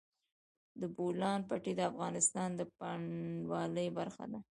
د بولان پټي د افغانستان د بڼوالۍ برخه ده.